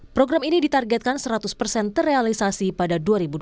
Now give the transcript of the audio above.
program ini ditargetkan seratus persen terrealisasi pada dua ribu dua puluh